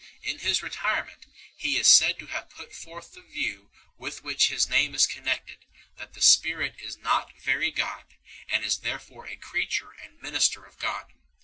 In his retirement he is said to have put forth the view with which his name is connected, that the Spirit is not Very God, and is there fore a creature and minister of God.